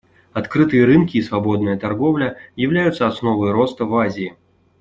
Открытые рынки и свободная торговля являются основой роста в Азии.